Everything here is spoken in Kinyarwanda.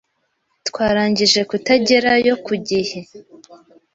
Twarangije kutagerayo ku gihe.